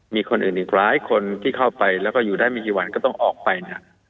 มีคนอื่นอีกหลายคนที่เข้าไปแล้วก็อยู่ได้ไม่กี่วันก็ต้องออกไปเนี่ย